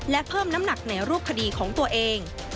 และเพิ่มน้ำหนักในรูปคดีของตัวเอง